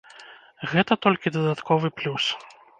Гэта толькі дадатковы плюс.